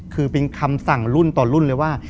คือเป็นคำสั่งรุ่นต่อรุ่นเลยว่า